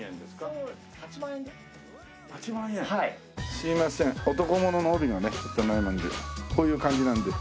すいません男物の帯がねちょっとないもんでこういう感じなんで。